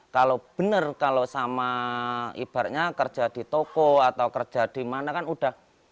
kalau benar kalau sama ibaratnya kerja di toko atau kerja di mana kan udah